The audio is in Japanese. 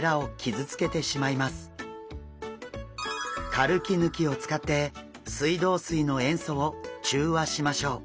カルキ抜きを使って水道水の塩素を中和しましょう。